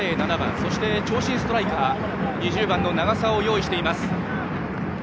そして、長身ストライカー２０番の長沢を用意しています。